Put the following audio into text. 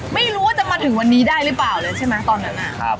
ไม่รู้ว่าจะมาถึงวันนี้ได้หรือเปล่าเลยใช่ไหมตอนนั้น